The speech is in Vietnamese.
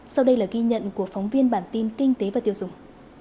sau đây là ghi nhận của phóng viên bản tin kinh tế và tiêu dùng